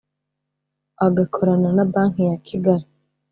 agakorana na banki ya kigali